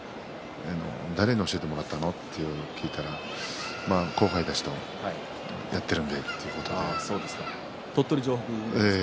誰に教えてもらったの？と聞いたら後輩たちとやっているんでと言っていました。